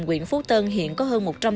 quyện phú tân hiện có hơn